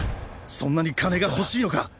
そんなに金が欲しいのか？